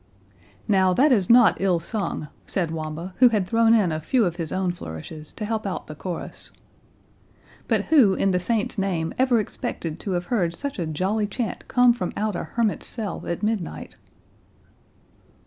"Now, that is not ill sung," said Wamba, who had thrown in a few of his own flourishes to help out the chorus. "But who, in the saint's name, ever expected to have heard such a jolly chant come from out a hermit's cell at midnight!"